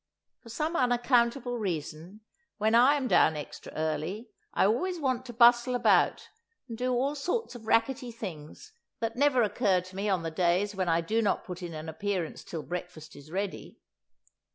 For some unaccountable reason, when I am down extra early, I always want to bustle about, and do all sorts of rackety things that never occur to me on the days when I do not put in an appearance till breakfast is ready.